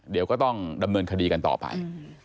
เดี๋ยวก็ต้องดำเนินคดีกันต่อไป